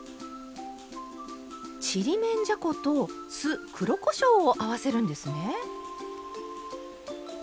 ちりめんじゃこと酢黒こしょうを合わせるんですね！